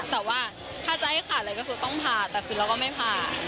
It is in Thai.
แต่ว่าถ้าจะให้ขาดเลยก็คือต้องผ่าแต่คือเราก็ไม่ผ่า